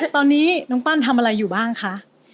ตอนนี้น้องปั้นทำอะไรอยู่บ้างคะ